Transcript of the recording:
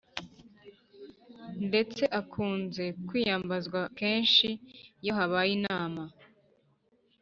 ndetse akunze kwiyambazwa kenshi iyo habaye inama